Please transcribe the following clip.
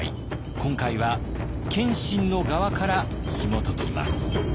今回は謙信の側からひもときます。